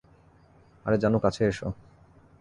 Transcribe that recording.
আরে, জানু, কাছে এসো।